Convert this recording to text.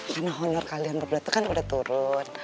karena honor kalian berbelat kan udah turun